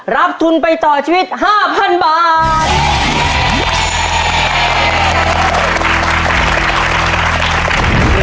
รับทุนไปต่อชีวิต๕๐๐๐บาท